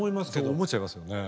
そう思っちゃいますよね。